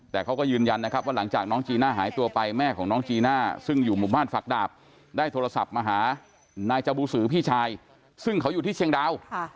แต่เขาก็ยืนยันนะครับว่าหลังจากน้องจีน่าหายตัวไปแม่ของน้องจีน่าซึ่งอยู่หมู่บ้านฝักดาบได้โทรศัพท์มาหานายจบูสือพี่ชายซึ่งเขาอยู่ที่เชียงดาว